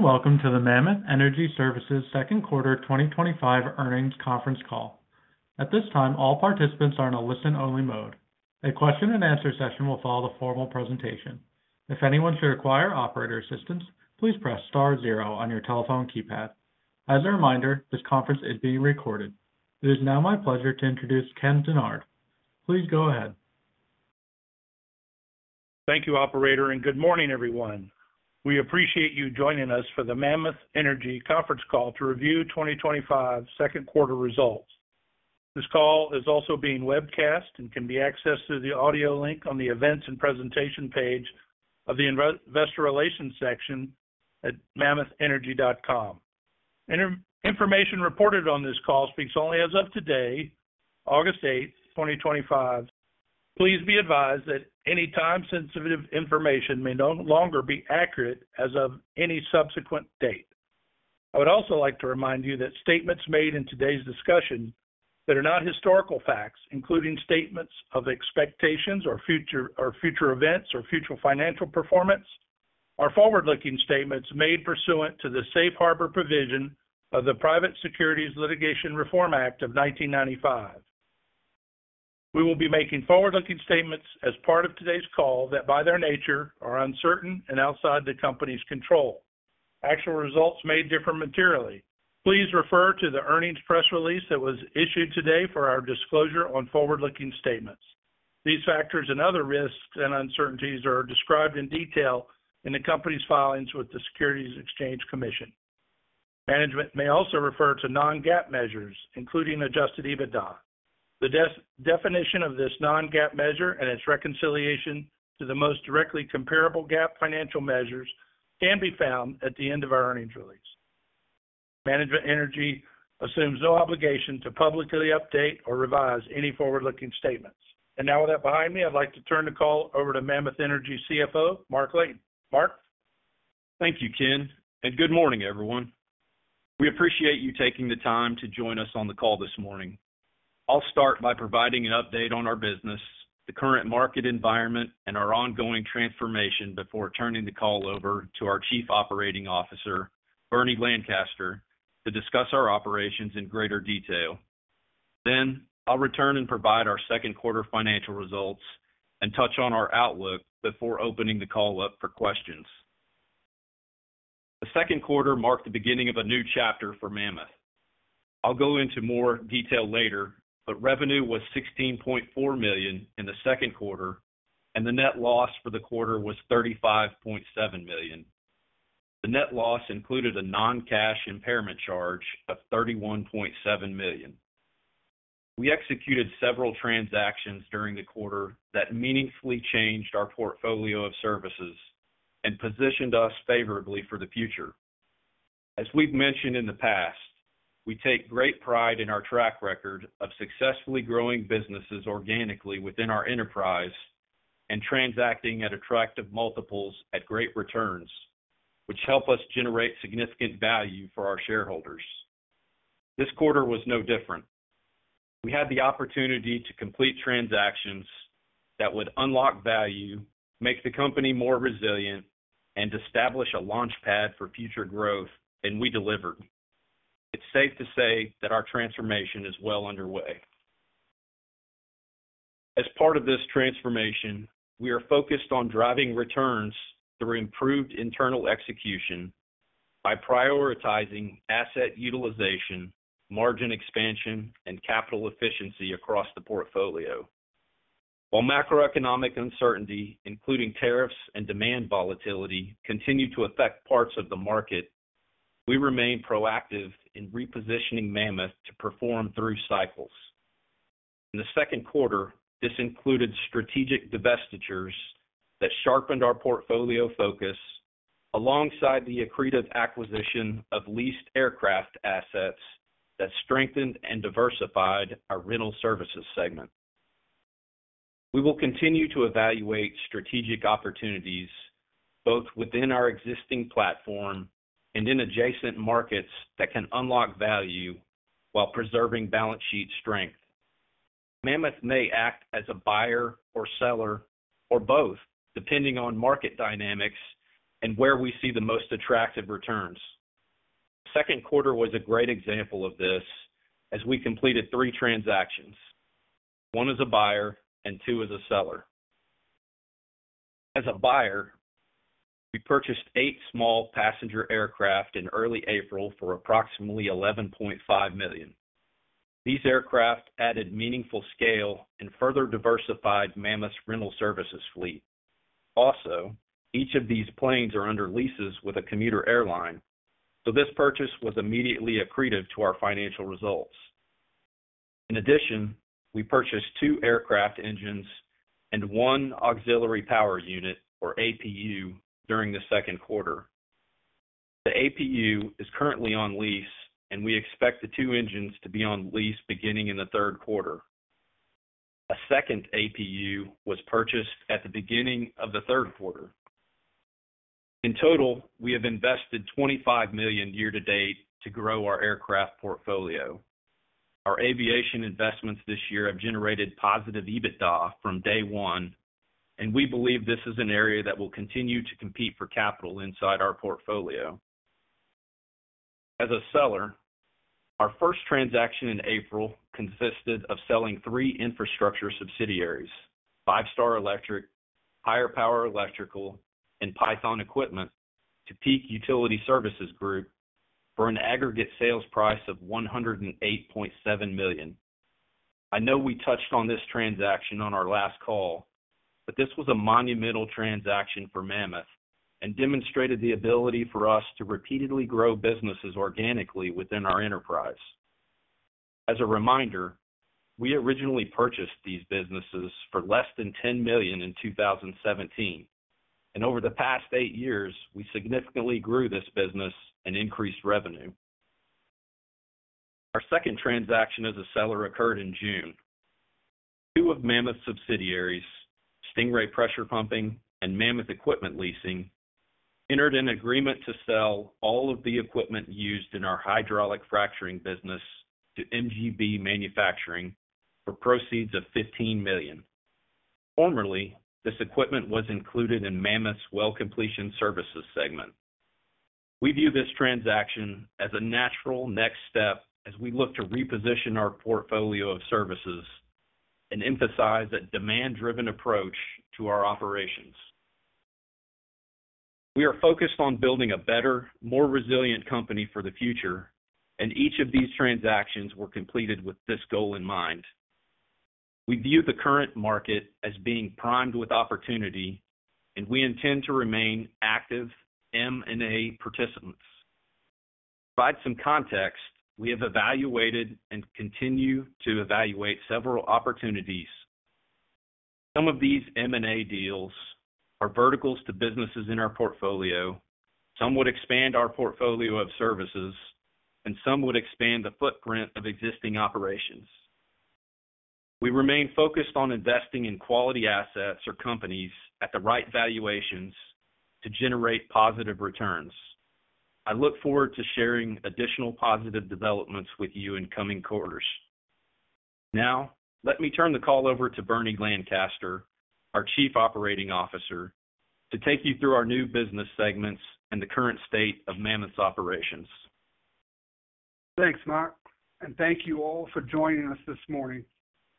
Greetings and welcome to the Mammoth Energy Services Second Quarter 2025 Earnings Conference Call. At this time, all participants are in a listen-only mode. A question and answer session will follow the formal presentation. If anyone should require operator assistance, please press star zero on your telephone keypad. As a reminder, this conference is being recorded. It is now my pleasure to introduce Ken Dennard. Please go ahead. Thank you, operator, and good morning, everyone. We appreciate you joining us for the Mammoth Energy conference call to review 2025 second quarter results. This call is also being webcast and can be accessed through the audio link on the events and presentation page of the investor relations section at mammothenergy.com. Information reported on this call speaks only as of today, August 8th, 2025. Please be advised that any time sensitive information may no longer be accurate as of any subsequent date. I would also like to remind you that statements made in today's discussion that are not historical facts, including statements of expectations or future events or future financial performance, are forward-looking statements made pursuant to the safe harbor provision of the Private Securities Litigation Reform Act of 1995. We will be making forward-looking statements as part of today's call that, by their nature, are uncertain and outside the company's control. Actual results may differ materially. Please refer to the earnings press release that was issued today for our disclosure on forward-looking statements. These factors and other risks and uncertainties are described in detail in the company's filings with the Securities and Exchange Commission. Management may also refer to non-GAAP measures, including adjusted EBITDA. The definition of this non-GAAP measure and its reconciliation to the most directly comparable GAAP financial measures can be found at the end of our earnings release. Mammoth Energy assumes no obligation to publicly update or revise any forward-looking statements. With that behind me, I'd like to turn the call over to Mammoth Energy CFO, Mark Layton. Mark. Thank you, Ken, and good morning, everyone. We appreciate you taking the time to join us on the call this morning. I'll start by providing an update on our business, the current market environment, and our ongoing transformation before turning the call over to our Chief Operating Officer, Bernie Lancaster, to discuss our operations in greater detail. Then, I'll return and provide our second quarter financial results and touch on our outlook before opening the call up for questions. The second quarter marked the beginning of a new chapter for Mammoth. I'll go into more detail later, but revenue was $16.4 million in the second quarter, and the net loss for the quarter was $35.7 million. The net loss included a non-cash impairment charge of $31.7 million. We executed several transactions during the quarter that meaningfully changed our portfolio of services and positioned us favorably for the future. As we've mentioned in the past, we take great pride in our track record of successfully growing businesses organically within our enterprise and transacting at attractive multiples at great returns, which help us generate significant value for our shareholders. This quarter was no different. We had the opportunity to complete transactions that would unlock value, make the company more resilient, and establish a launchpad for future growth, and we delivered. It's safe to say that our transformation is well underway. As part of this transformation, we are focused on driving returns through improved internal execution by prioritizing asset utilization, margin expansion, and capital efficiency across the portfolio. While macroeconomic uncertainty, including tariffs and demand volatility, continue to affect parts of the market, we remain proactive in repositioning Mammoth to perform through cycles. In the second quarter, this included strategic divestitures that sharpened our portfolio focus, alongside the accretive acquisition of leased aircraft assets that strengthened and diversified our rental services segment. We will continue to evaluate strategic opportunities, both within our existing platform and in adjacent markets that can unlock value while preserving balance sheet strength. Mammoth may act as a buyer or seller, or both, depending on market dynamics and where we see the most attractive returns. The second quarter was a great example of this, as we completed three transactions. One as a buyer and two as a seller. As a buyer, we purchased eight small passenger aircraft in early April for approximately $11.5 million. These aircraft added meaningful scale and further diversified Mammoths' rental services fleet. Also, each of these planes are under leases with a commuter airline, so this purchase was immediately accretive to our financial results. In addition, we purchased two aircraft engines and one auxiliary power unit, or APU, during the second quarter. The APU is currently on lease, and we expect the two engines to be on lease beginning in the third quarter. A second APU was purchased at the beginning of the third quarter. In total, we have invested $25 million year to date to grow our aircraft portfolio. Our aviation investments this year have generated positive EBITDA from day one, and we believe this is an area that will continue to compete for capital inside our portfolio. As a seller, our first transaction in April consisted of selling three infrastructure subsidiaries, Five Star Electric, Higher Power Electrical, and Python Equipment to Peak Utility Services Group for an aggregate sales price of $108.7 million. I know we touched on this transaction on our last call, but this was a monumental transaction for Mammoth and demonstrated the ability for us to repeatedly grow businesses organically within our enterprise. As a reminder, we originally purchased these businesses for less than $10 million in 2017, and over the past eight years, we significantly grew this business and increased revenue. Our second transaction as a seller occurred in June. Two of Mammoth's subsidiaries, Stingray Pressure Pumping and Mammoth Equipment Leasing, entered an agreement to sell all of the equipment used in our hydraulic fracturing business to MGB Manufacturing for proceeds of $15 million. Formerly, this equipment was included in Mammoth's well completion services segment. We view this transaction as a natural next step as we look to reposition our portfolio of services and emphasize a demand-driven approach to our operations. We are focused on building a better, more resilient company for the future, and each of these transactions were completed with this goal in mind. We view the current market as being primed with opportunity, and we intend to remain active M&A participants. To provide some context, we have evaluated and continue to evaluate several opportunities. Some of these M&A deals are verticals to businesses in our portfolio, some would expand our portfolio of services, and some would expand the footprint of existing operations. We remain focused on investing in quality assets or companies at the right valuations to generate positive returns. I look forward to sharing additional positive developments with you in coming quarters. Now, let me turn the call over to Bernie Lancaster, our Chief Operating Officer, to take you through our new business segments and the current state of Mammoth's operations. Thanks, Mark, and thank you all for joining us this morning.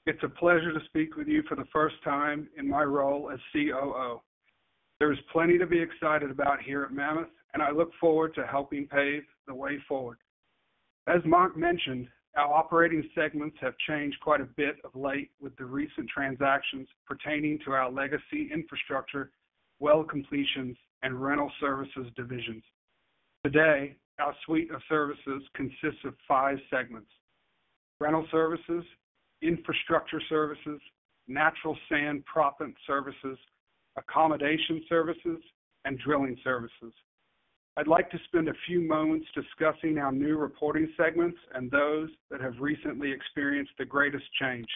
It's a pleasure to speak with you for the first time in my role as COO. There's plenty to be excited about here at Mammoth, and I look forward to helping pave the way forward. As Mark mentioned, our operating segments have changed quite a bit of late with the recent transactions pertaining to our legacy infrastructure, well completions, and rental services divisions. Today, our suite of services consists of five segments: rental services, infrastructure services, natural sand proppant services, accommodation services, and drilling services. I'd like to spend a few moments discussing our new reporting segments and those that have recently experienced the greatest change.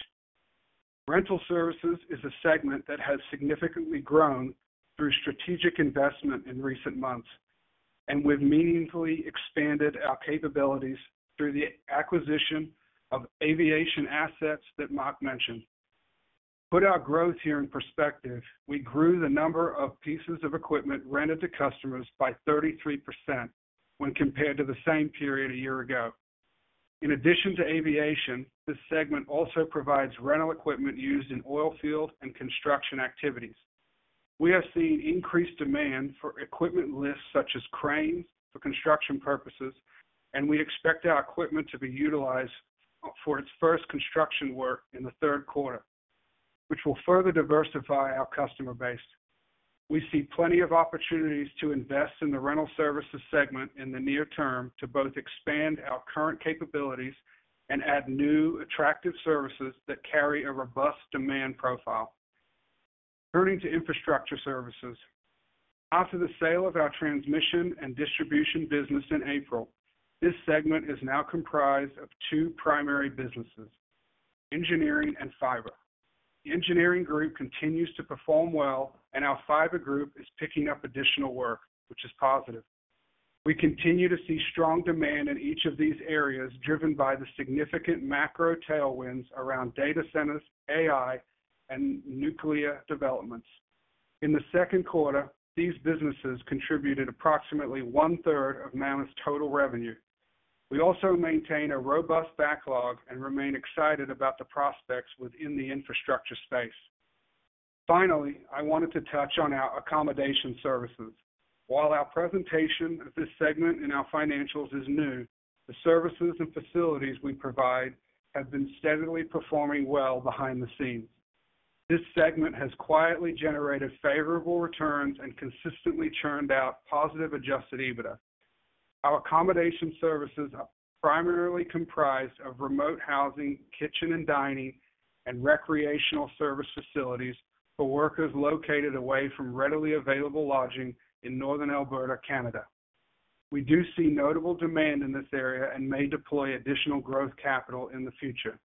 Rental services is a segment that has significantly grown through strategic investment in recent months, and we've meaningfully expanded our capabilities through the acquisition of aviation assets that Mark mentioned. To put our growth here in perspective, we grew the number of pieces of equipment rented to customers by 33% when compared to the same period a year ago. In addition to aviation, this segment also provides rental equipment used in oil field and construction activities. We have seen increased demand for equipment lists such as cranes for construction purposes, and we expect our equipment to be utilized for its first construction work in the third quarter, which will further diversify our customer base. We see plenty of opportunities to invest in the rental services segment in the near term to both expand our current capabilities and add new attractive services that carry a robust demand profile. Turning to infrastructure services, after the sale of our transmission and distribution business in April, this segment is now comprised of two primary businesses: engineering and fiber. The engineering group continues to perform well, and our fiber group is picking up additional work, which is positive. We continue to see strong demand in each of these areas driven by the significant macro tailwinds around data centers, AI, and nuclear developments. In the second quarter, these businesses contributed approximately 1/3 of Mammoth's total revenue. We also maintain a robust backlog and remain excited about the prospects within the infrastructure space. Finally, I wanted to touch on our accommodation services. While our presentation of this segment in our financials is new, the services and facilities we provide have been steadily performing well behind the scenes. This segment has quietly generated favorable returns and consistently churned out positive adjusted EBITDA. Our accommodation services are primarily comprised of remote housing, kitchen and dining, and recreational service facilities for workers located away from readily available lodging in Northern Alberta, Canada. We do see notable demand in this area and may deploy additional growth capital in the future.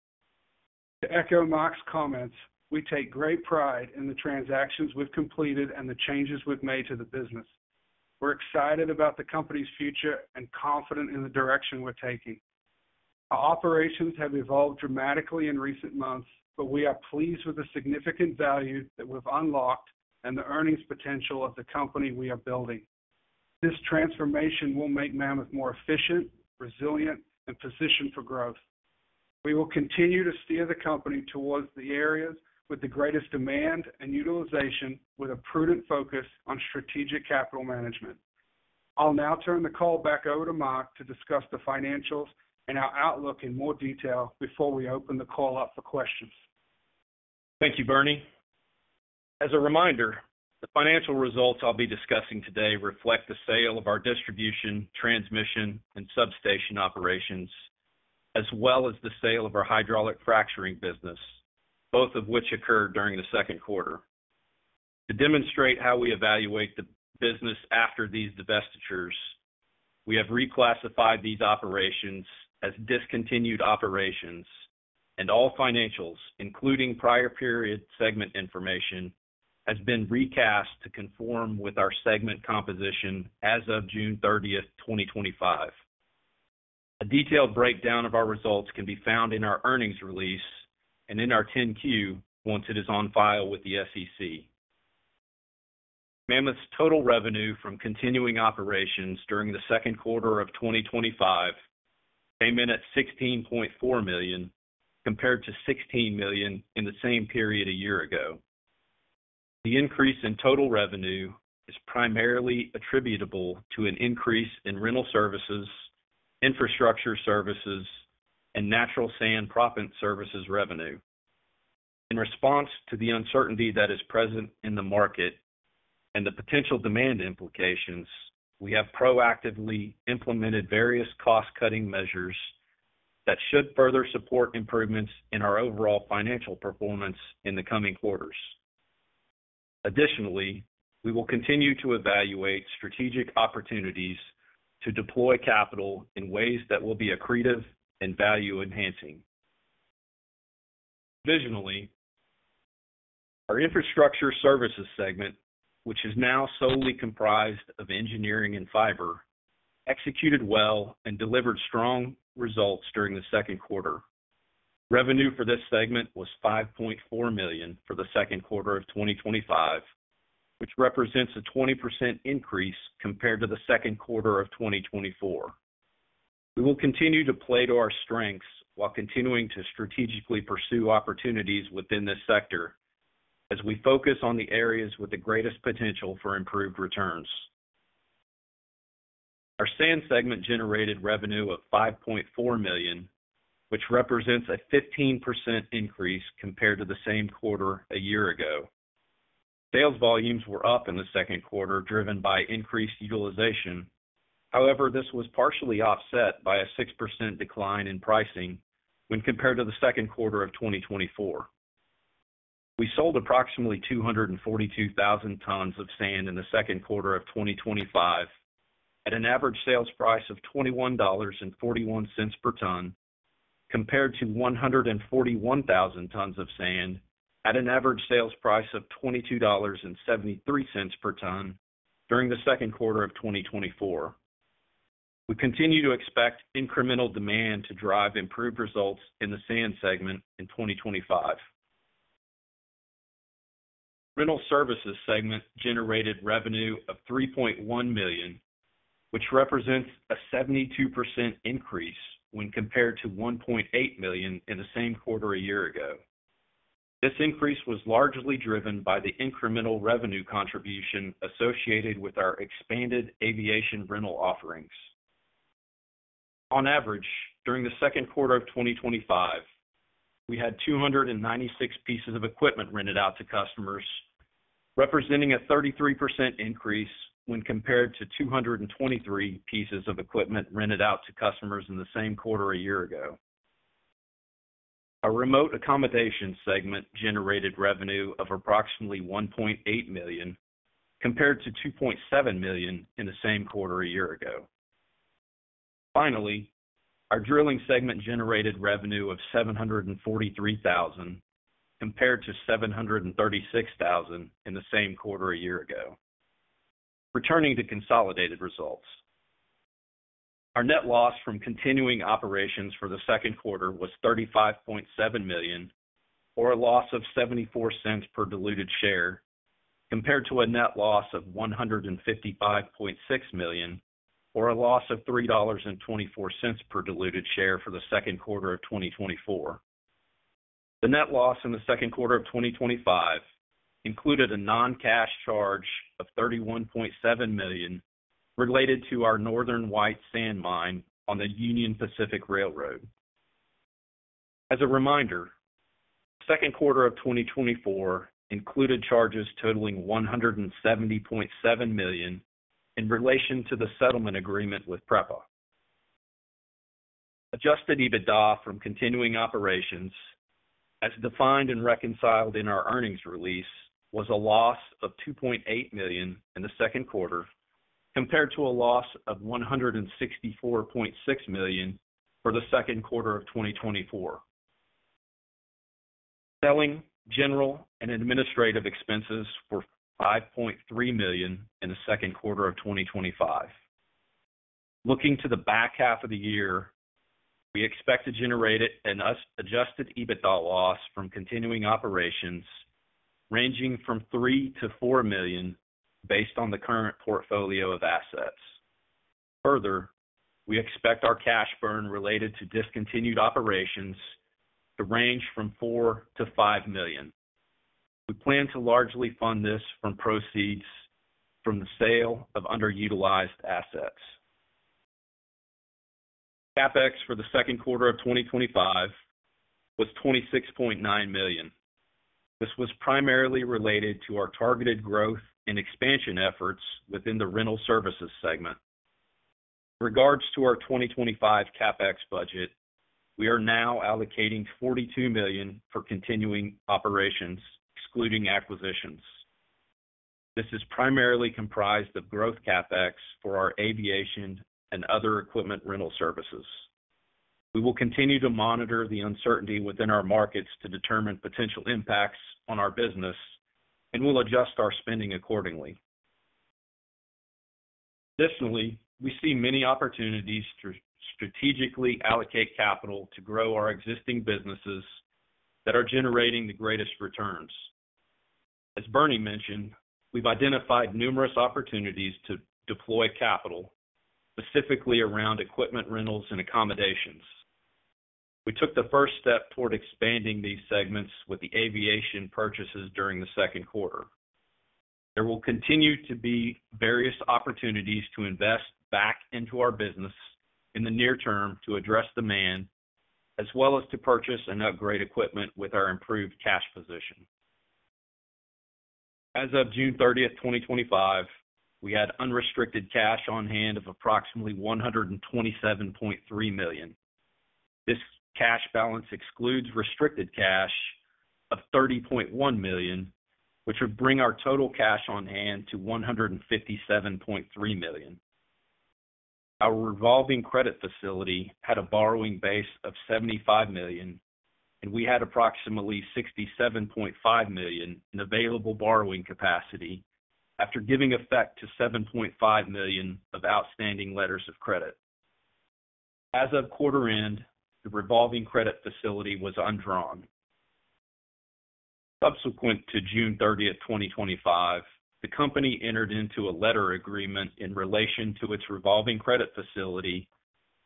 To echo Mark's comments, we take great pride in the transactions we've completed and the changes we've made to the business. We're excited about the company's future and confident in the direction we're taking. Our operations have evolved dramatically in recent months, and we are pleased with the significant value that we've unlocked and the earnings potential of the company we are building. This transformation will make Mammoth more efficient, resilient, and positioned for growth. We will continue to steer the company towards the areas with the greatest demand and utilization with a prudent focus on strategic capital management. I'll now turn the call back over to Mark to discuss the financials and our outlook in more detail before we open the call up for questions. Thank you, Bernie. As a reminder, the financial results I'll be discussing today reflect the sale of our distribution, transmission, and substation operations, as well as the sale of our hydraulic fracturing business, both of which occurred during the second quarter. To demonstrate how we evaluate the business after these divestitures, we have reclassified these operations as discontinued operations, and all financials, including prior period segment information, have been recast to conform with our segment composition as of June 30th, 2025. A detailed breakdown of our results can be found in our earnings release and in our 10-Q once it is on file with the SEC. Mammoth's total revenue from continuing operations during the second quarter of 2025 came in at $16.4 million compared to $16 million in the same period a year ago. The increase in total revenue is primarily attributable to an increase in rental services, infrastructure services, and natural sand proppant services revenue. In response to the uncertainty that is present in the market and the potential demand implications, we have proactively implemented various cost-cutting measures that should further support improvements in our overall financial performance in the coming quarters. Additionally, we will continue to evaluate strategic opportunities to deploy capital in ways that will be accretive and value enhancing. Visionally, our infrastructure services segment, which is now solely comprised of engineering and fiber, executed well and delivered strong results during the second quarter. Revenue for this segment was $5.4 million for the second quarter of 2025, which represents a 20% increase compared to the second quarter of 2024. We will continue to play to our strengths while continuing to strategically pursue opportunities within this sector as we focus on the areas with the greatest potential for improved returns. Our sand segment generated revenue of $5.4 million, which represents a 15% increase compared to the same quarter a year ago. Sales volumes were up in the second quarter, driven by increased utilization. However, this was partially offset by a 6% decline in pricing when compared to the second quarter of 2024. We sold approximately 242,000 tons of sand in the second quarter of 2025 at an average sales price of $21.41 per ton, compared to 141,000 tons of sand at an average sales price of $22.73 per ton during the second quarter of 2024. We continue to expect incremental demand to drive improved results in the sand segment in 2025. Rental services segment generated revenue of $3.1 million, which represents a 72% increase when compared to $1.8 million in the same quarter a year ago. This increase was largely driven by the incremental revenue contribution associated with our expanded aviation rental offerings. On average, during the second quarter of 2025, we had 296 pieces of equipment rented out to customers, representing a 33% increase when compared to 223 pieces of equipment rented out to customers in the same quarter a year ago. Our remote accommodation segment generated revenue of approximately $1.8 million compared to $2.7 million in the same quarter a year ago. Finally, our drilling segment generated revenue of $743,000 compared to $736,000 in the same quarter a year ago. Returning to consolidated results, our net loss from continuing operations for the second quarter was $35.7 million, or a loss of $0.74 per diluted share, compared to a net loss of $155.6 million, or a loss of $3.24 per diluted share for the second quarter of 2024. The net loss in the second quarter of 2025 included a non-cash impairment charge of $31.7 million related to our Northern White Sand Mine on the Union Pacific Railroad. As a reminder, the second quarter of 2024 included charges totaling $170.7 million in relation to the settlement agreement with PREPA. Adjusted EBITDA from continuing operations, as defined and reconciled in our earnings release, was a loss of $2.8 million in the second quarter compared to a loss of $164.6 million for the second quarter of 2024. Selling, general and administrative expenses were $5.3 million in the second quarter of 2025. Looking to the back half of the year, we expect to generate an adjusted EBITDA loss from continuing operations ranging from $3 million-$4 million based on the current portfolio of assets. Further, we expect our cash burn related to discontinued operations to range from $4 million-$5 million. We plan to largely fund this from proceeds from the sale of underutilized assets. CapEx for the second quarter of 2025 was $26.9 million. This was primarily related to our targeted growth and expansion efforts within the rental services segment. In regards to our 2025 CapEx budget, we are now allocating $42 million for continuing operations, excluding acquisitions. This is primarily comprised of growth CapEx for our aviation and other equipment rental services. We will continue to monitor the uncertainty within our markets to determine potential impacts on our business, and we'll adjust our spending accordingly. Additionally, we see many opportunities to strategically allocate capital to grow our existing businesses that are generating the greatest returns. As Bernie mentioned, we've identified numerous opportunities to deploy capital, specifically around equipment rentals and accommodations. We took the first step toward expanding these segments with the aviation purchases during the second quarter. There will continue to be various opportunities to invest back into our business in the near term to address demand, as well as to purchase and upgrade equipment with our improved cash position. As of June 30th, 2025, we had unrestricted cash on hand of approximately $127.3 million. This cash balance excludes restricted cash of $30.1 million, which would bring our total cash on hand to $157.3 million. Our revolving credit facility had a borrowing base of $75 million, and we had approximately $67.5 million in available borrowing capacity after giving effect to $7.5 million of outstanding letters of credit. As of quarter end, the revolving credit facility was undrawn. Subsequent to June 30th, 2025, the company entered into a letter agreement in relation to its revolving credit facility,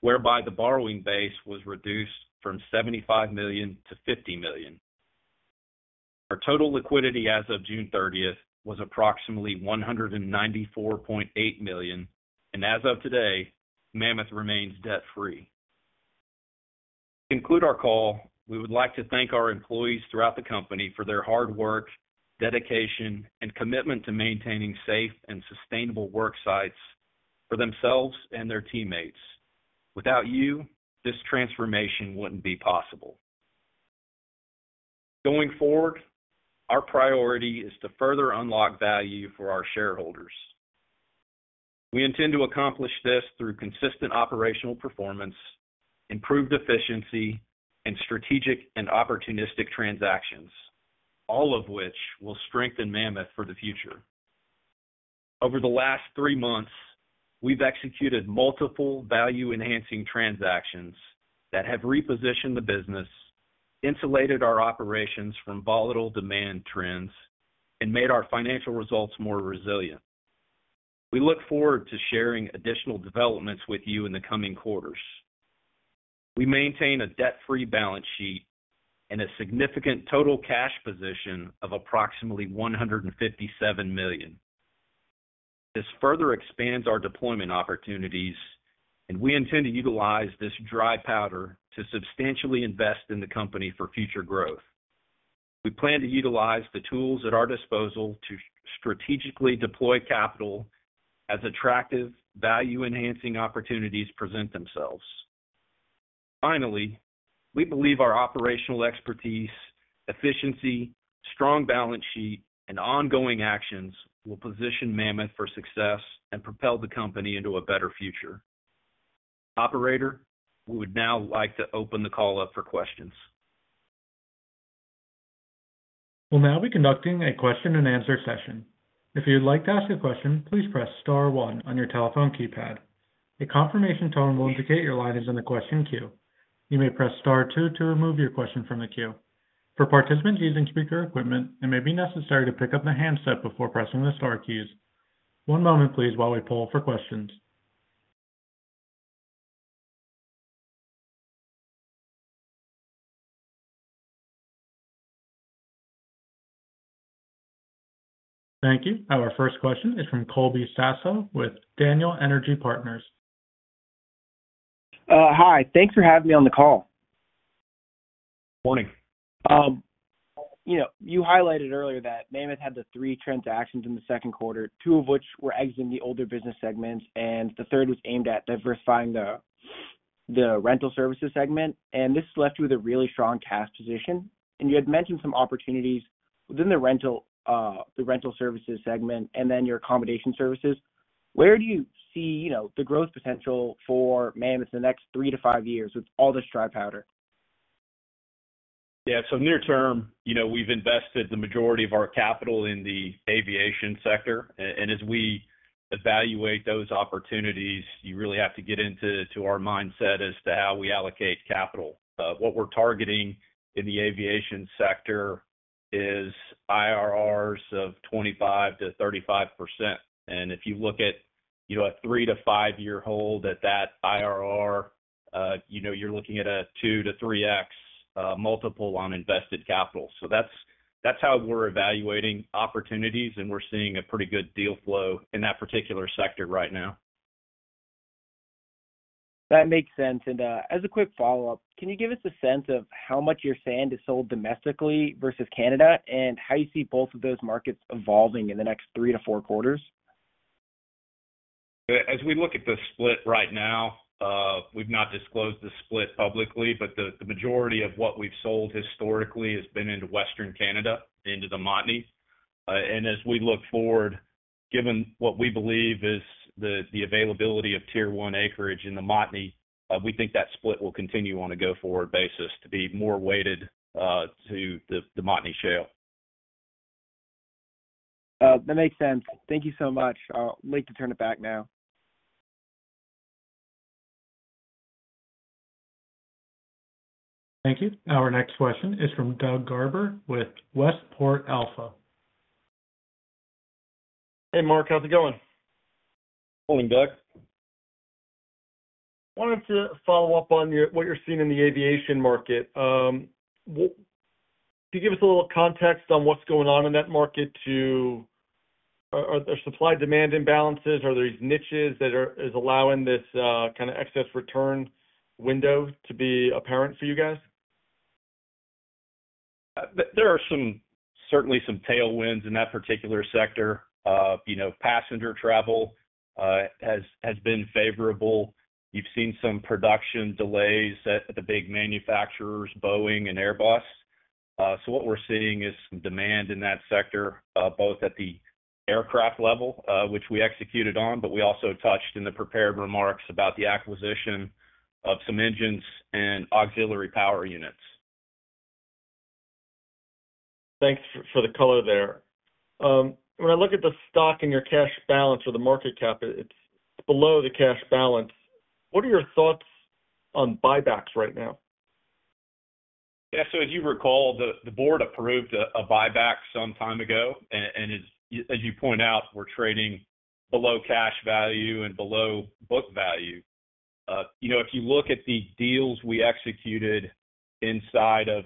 whereby the borrowing base was reduced from $75 million to $50 million. Our total liquidity as of June 30th was approximately $194.8 million, and as of today, Mammoth remains debt-free. To conclude our call, we would like to thank our employees throughout the company for their hard work, dedication, and commitment to maintaining safe and sustainable worksites for themselves and their teammates. Without you, this transformation wouldn't be possible. Going forward, our priority is to further unlock value for our shareholders. We intend to accomplish this through consistent operational performance, improved efficiency, and strategic and opportunistic transactions, all of which will strengthen Mammoth for the future. Over the last three months, we've executed multiple value-enhancing transactions that have repositioned the business, insulated our operations from volatile demand trends, and made our financial results more resilient. We look forward to sharing additional developments with you in the coming quarters. We maintain a debt-free balance sheet and a significant total cash position of approximately $157 million. This further expands our deployment opportunities, and we intend to utilize this dry powder to substantially invest in the company for future growth. We plan to utilize the tools at our disposal to strategically deploy capital as attractive value-enhancing opportunities present themselves. Finally, we believe our operational expertise, efficiency, strong balance sheet, and ongoing actions will position Mammoth for success and propel the company into a better future. Operator, we would now like to open the call up for questions. We will now be conducting a question and answer session. If you would like to ask a question, please press star one on your telephone keypad. A confirmation tone will indicate your line is in the question queue. You may press star two to remove your question from the queue. For participants using speaker equipment, it may be necessary to pick up the handset before pressing the star keys. One moment, please, while we poll for questions. Thank you. Our first question is from Colby Sasso with Daniel Energy Partners. Hi, thanks for having me on the call. Morning. You highlighted earlier that Mammoth had the three transactions in the second quarter, two of which were exiting the older business segments, and the third was aimed at diversifying the rental services segment. This left you with a really strong cash position. You had mentioned some opportunities within the rental services segment and then your accommodation services. Where do you see the growth potential for Mammoth in the next three to five years with all this dry powder? Yeah, near term, we've invested the majority of our capital in the aviation sector. As we evaluate those opportunities, you really have to get into our mindset as to how we allocate capital. What we're targeting in the aviation sector is IRRs of 25%-35%. If you look at a three to five-year hold at that IRR, you're looking at a 2x-3x multiple on invested capital. That's how we're evaluating opportunities, and we're seeing a pretty good deal flow in that particular sector right now. That makes sense. As a quick follow-up, can you give us a sense of how much your sand is sold domestically versus Canada, and how you see both of those markets evolving in the next three to four quarters? As we look at the split right now, we've not disclosed the split publicly, but the majority of what we've sold historically has been into Western Canada, into the Montney. As we look forward, given what we believe is the availability of Tier 1 acreage in the Montney, we think that split will continue on a go-forward basis to be more weighted to the Montney Shale. That makes sense. Thank you so much. I'll wait to turn it back now. Thank you. Our next question is from Doug Garber with Westport Alpha. Hey, Mark, how's it going? Morning, Doug. I wanted to follow up on what you're seeing in the aviation market. Can you give us a little context on what's going on in that market? Are there supply-demand imbalances? Are there these niches that are allowing this kind of excess return window to be apparent for you guys? There are certainly some tailwinds in that particular sector. Passenger travel has been favorable. You've seen some production delays at the big manufacturers, Boeing and Airbus. What we're seeing is some demand in that sector, both at the aircraft level, which we executed on, but we also touched in the prepared remarks about the acquisition of some engines and auxiliary power units. Thanks for the color there. When I look at the stock and your cash balance or the market cap, it's below the cash balance. What are your thoughts on buybacks right now? As you recall, the board approved a buyback some time ago, and as you point out, we're trading below cash value and below book value. If you look at the deals we executed inside of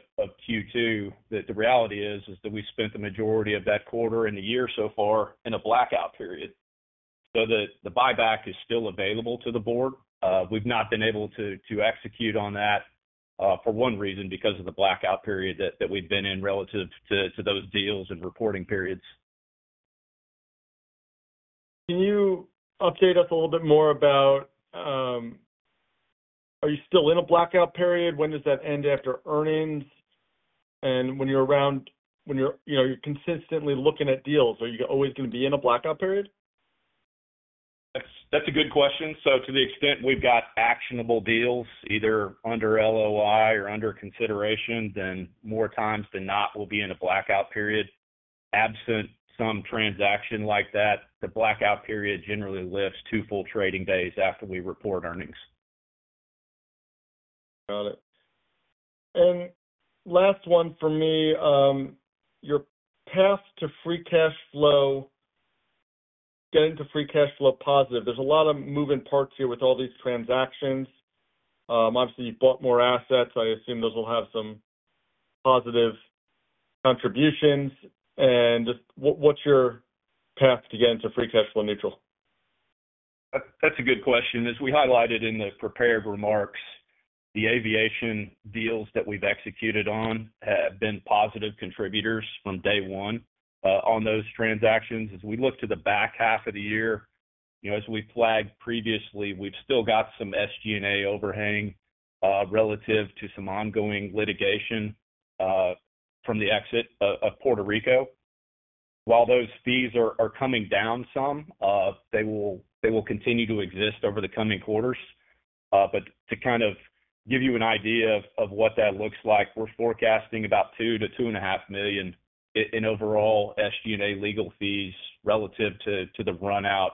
Q2, the reality is that we spent the majority of that quarter and the year so far in a blackout period. The buyback is still available to the board. We've not been able to execute on that for one reason, because of the blackout period that we've been in relative to those deals and reporting periods. Can you update us a little bit more about, are you still in a blackout period? When does that end after earnings? When you're around, when you're, you know, you're consistently looking at deals, are you always going to be in a blackout period? That's a good question. To the extent we've got actionable deals, either under LOI or under consideration, more times than not, we'll be in a blackout period. Absent some transaction like that, the blackout period generally lives two full trading days after we report earnings. Got it. Last one from me, your path to free cash flow, getting to free cash flow positive. There are a lot of moving parts here with all these transactions. Obviously, you've bought more assets. I assume those will have some positive contributions. What's your path to getting to free cash flow neutral? That's a good question. As we highlighted in the prepared remarks, the aviation deals that we've executed on have been positive contributors from day one on those transactions. As we look to the back half of the year, as we flagged previously, we've still got some SG&A overhang relative to some ongoing litigation from the exit of Puerto Rico. While those fees are coming down some, they will continue to exist over the coming quarters. To kind of give you an idea of what that looks like, we're forecasting about $2 million-$2.5 million in overall SG&A legal fees relative to the run-out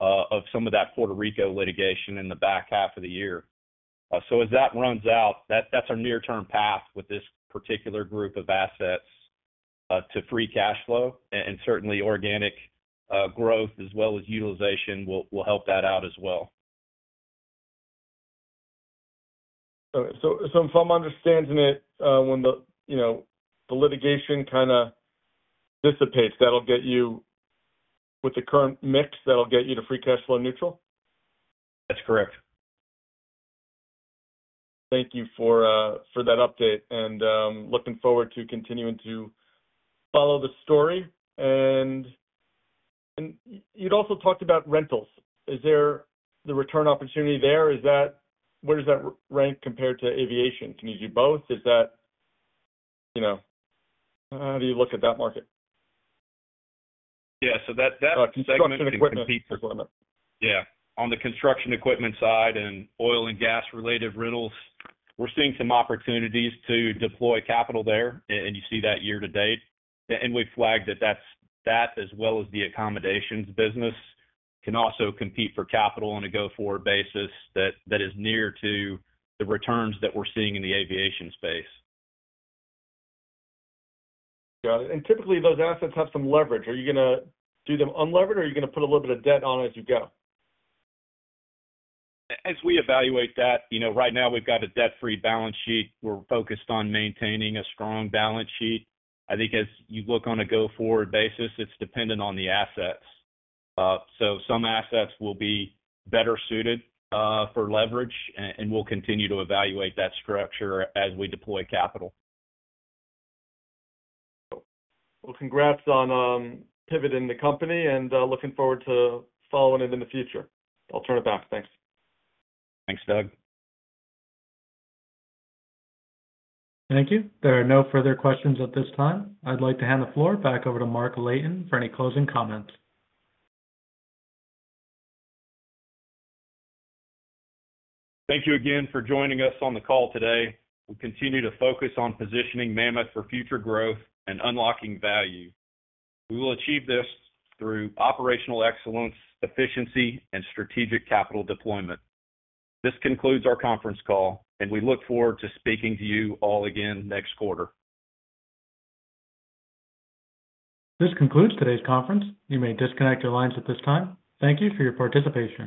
of some of that Puerto Rico litigation in the back half of the year. As that runs out, that's our near-term path with this particular group of assets to free cash flow. Certainly, organic growth as well as utilization will help that out as well. Okay. If I'm understanding it, when the litigation kind of dissipates, that'll get you with the current mix, that'll get you to free cash flow neutral? That's correct. Thank you for that update. I'm looking forward to continuing to follow the story. You'd also talked about rentals. Is there the return opportunity there? Where does that rank compared to aviation? Can you do both? How do you look at that market? Yeah, that. Construction equipment. Yeah, on the construction equipment side and oil and gas-related rentals, we're seeing some opportunities to deploy capital there, and you see that year to date. We've flagged that as well as the accommodation services business can also compete for capital on a go-forward basis that is near to the returns that we're seeing in the aviation space. Got it. Typically, those assets have some leverage. Are you going to do them unlevered, or are you going to put a little bit of debt on as you go? As we evaluate that, right now we've got a debt-free balance sheet. We're focused on maintaining a strong balance sheet. I think as you look on a go-forward basis, it's dependent on the assets. Some assets will be better suited for leverage, and we'll continue to evaluate that structure as we deploy capital. Congratulations on pivoting the company and looking forward to following it in the future. I'll turn it back. Thanks. Thanks, Doug. Thank you. There are no further questions at this time. I'd like to hand the floor back over to Mark Layton for any closing comments. Thank you again for joining us on the call today. We continue to focus on positioning Mammoth for future growth and unlocking value. We will achieve this through operational excellence, efficiency, and strategic capital deployment. This concludes our conference call, and we look forward to speaking to you all again next quarter. This concludes today's conference. You may disconnect your lines at this time. Thank you for your participation.